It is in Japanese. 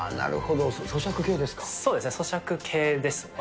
そうですね、そしゃく系ですね。